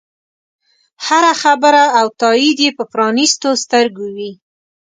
هره خبره او تایید یې په پرانیستو سترګو وي.